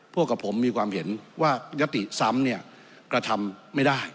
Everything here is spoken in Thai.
พวกกับผมมีความเห็นว่ายติซ้ำเนี่ยกระทำไม่ได้